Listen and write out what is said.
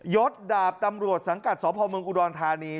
ยศดาบตำรวจสังกัดสะพำมงกุดวาลธานี